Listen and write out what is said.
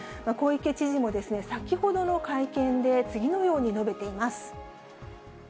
小池知事も先ほどの会見で、次のように述べています。